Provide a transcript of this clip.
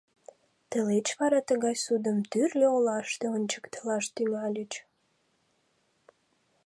Тылеч вара тыгай судым тӱрлӧ олаште ончыктылаш тӱҥальыч.